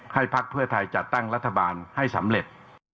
ภักดิ์เพื่อไทยจัดตั้งรัฐบาลให้สำเร็จ